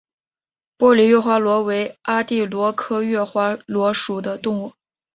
玻璃月华螺为阿地螺科月华螺属的动物。